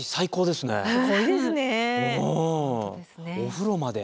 すごいですね。お風呂まで。